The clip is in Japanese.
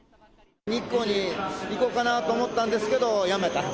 日光に行こうかなと思ったんですけど、やめた。